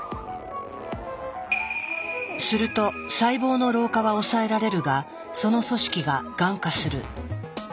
すると細胞の老化は抑えられるがその組織ががん化する。